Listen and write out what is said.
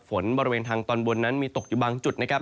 บริเวณทางตอนบนนั้นมีตกอยู่บางจุดนะครับ